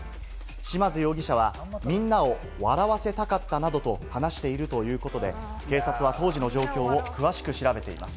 嶋津容疑者は、みんなを笑わせたかったなどと話しているということで、警察は当時の状況を詳しく調べています。